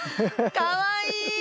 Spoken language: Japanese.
かわいい！